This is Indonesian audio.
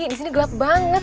disini gelap banget